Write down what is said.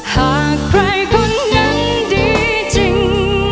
หากใครคนนั้นดีจริง